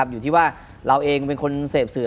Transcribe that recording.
อยู่ที่ว่าเราเองเป็นคนเสพสื่อ